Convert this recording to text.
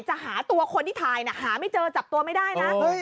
จะหาตัวคนที่ถ่ายหาไม่เจอจับตัวไม่ได้นะ